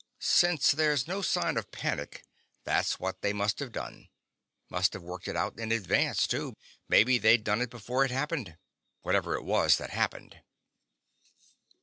Since there's no sign of panic, that's what they must have done. Must have worked it out in advance, too. Maybe they'd done it before it happened ... whatever it was that happened."